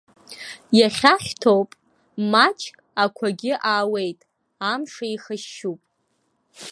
Иахьа хьҭоуп, маҷк ақәагьы ауеит, амш еихашьшьуп.